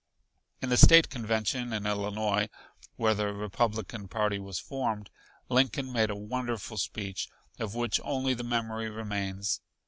In the State Convention in Illinois, where the Republican party was formed, Lincoln made a wonderful speech, of which only the memory remains.